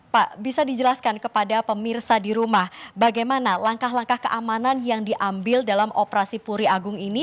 pak bisa dijelaskan kepada pemirsa di rumah bagaimana langkah langkah keamanan yang diambil dalam operasi puri agung ini